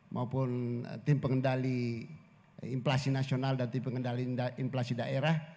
maupun tim pengendali inflasi nasional dan tim pengendali inflasi daerah